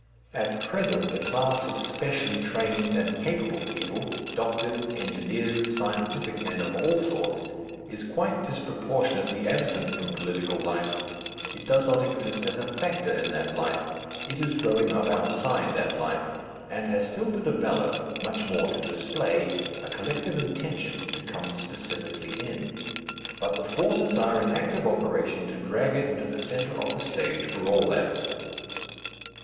At present the class of specially trained and capable people doctors, engineers, scientific men of all sorts is quite disproportionally absent from political life, it does not exist as a factor in that life, it is growing up outside that life, and has still to develop, much more to display, a collective intention to come specifically in. But the forces are in active operation to drag it into the centre of the stage for all that.